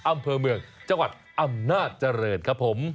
อำเภอเมืองจังหวัดอำนาจเจริญครับผม